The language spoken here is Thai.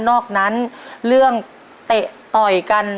นอกนั้นเรื่องเตะต่อยกัน